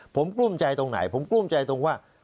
ผมกลุ้มใจตรงไหนผมกลุ้มใจตรงว่า